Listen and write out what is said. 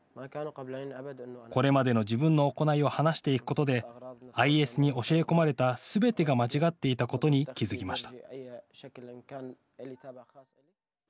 これまでの自分の行いを話していくことでＩＳに教え込まれたすべてが間違っていたことに気づきました。